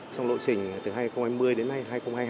trong lộ trình từ hai nghìn hai mươi đến nay hai nghìn hai mươi hai